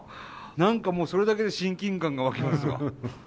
何かもうそれだけで親近感が湧きますわ。